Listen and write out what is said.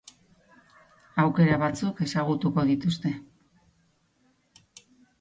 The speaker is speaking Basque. Aukera batzuk ezagutuko dituzte.